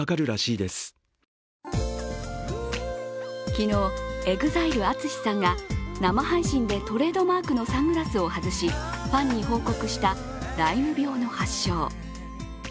昨日、ＥＸＩＬＥＡＴＳＵＳＨＩさんが生配信でトレードマークのサングラスを外し、ファンに報告したライム病の発症。